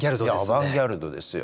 アバンギャルドですよ。